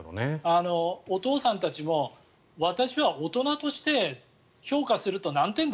お父さんたちも私は大人として評価すると何点だ？